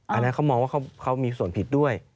อันนั้นเขามองว่าเขามีส่วนผิดด้วย